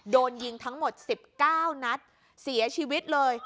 โดนยิงทั้งหมด๑๙นัดเสียชีวิตเลย